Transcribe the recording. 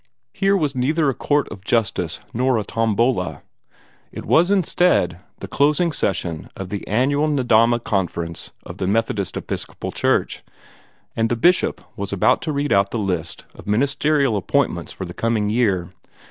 Here was neither a court of justice nor a tombola. It was instead the closing session of the annual Nedahma Conference of the Methodist Episcopal Church, and the Bishop was about to read out the list of ministerial appointments for the coming year.